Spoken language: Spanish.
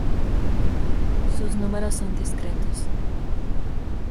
Sus números son discretos.